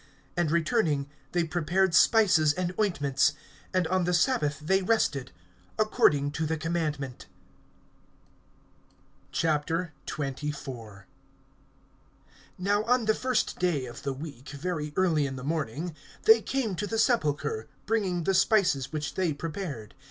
(56)And returning, they prepared spices and ointments; and on the sabbath they rested, according to the commandment. XXIV. NOW on the first day of the week, very early in the morning, they came to the sepulchre, bringing the spices which they prepared.